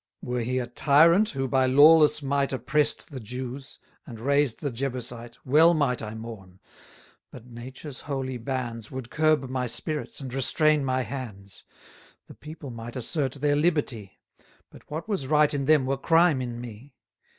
Were he a tyrant, who by lawless might Oppress'd the Jews, and raised the Jebusite, Well might I mourn; but nature's holy bands Would curb my spirits, and restrain my hands: 340 The people might assert their liberty; But what was right in them were crime in me.